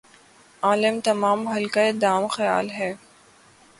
عالم تمام حلقہ دام خیال ھے